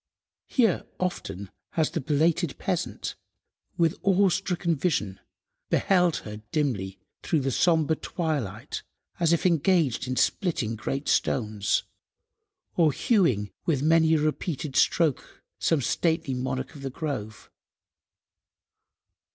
Here often has the belated peasant, with awe–stricken vision, beheld her dimly through the sombre twilight as if engaged in splitting great stones, or hewing with many a repeated stroke some stately "monarch of the grove."